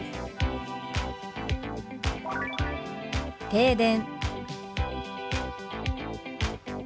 「停電」。